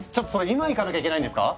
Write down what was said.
今行かなきゃいけないんですか？